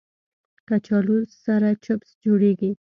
کچالو سره چپس جوړېږي